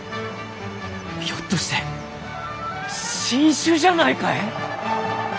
ひょっとして新種じゃないかえ？